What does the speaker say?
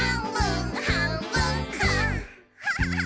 キャハハ！